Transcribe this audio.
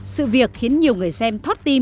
sự việc khiến nhiều người xem thót tim